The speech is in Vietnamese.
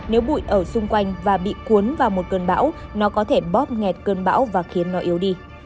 nếu bụi ở xung quanh và bị cuốn vào một cơn bão nó có thể bóp nghẹt cơn bão và khiến nó yếu đi